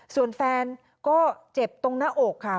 ส่วนแฟนก็เจ็บตรงหน้าอกค่ะ